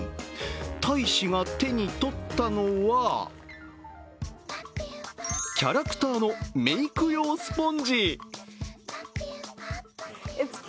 大使が手に取ったのは、キャラクターのメイク用スポンジ。